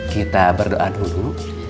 kita berdoa dulu